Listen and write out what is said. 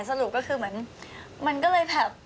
สรุปก็คือเหมือนมันก็เลยแบบ